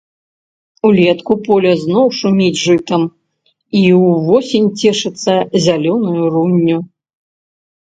Улетку поле зноў шуміць жытам і ўвосень цешыцца зялёнаю рунню.